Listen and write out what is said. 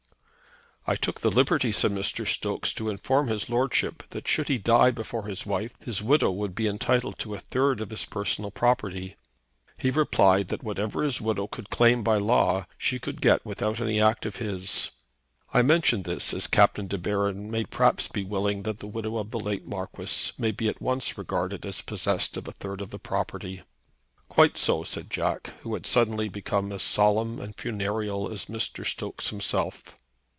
"I took the liberty," said Mr. Stokes, "to inform his lordship that should he die before his wife, his widow would be entitled to a third of his personal property. He replied that whatever his widow could claim by law, she could get without any act of his. I mention this, as Captain De Baron may perhaps be willing that the widow of the late Marquis may be at once regarded as possessed of a third of the property." "Quite so," said Jack, who had suddenly become as solemn and funereal as Mr. Stokes himself.